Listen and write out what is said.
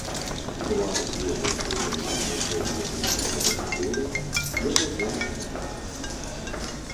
Твар і рукі былі пакрытыя белай здаровай скурай, без адзінага рубца.